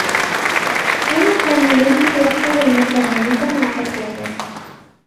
كان سامي يمضي وقته المتميّز مع إخوته.